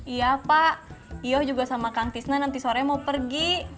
iya pak yoh juga sama kang tisna nanti sorenya mau pergi